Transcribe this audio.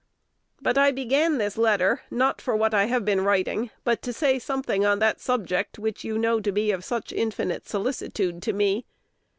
But I began this letter, not for what I have been writing, but to say something on that subject which you know to be of such infinite solicitude to me.